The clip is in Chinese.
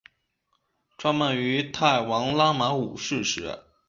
创办于泰王拉玛五世时。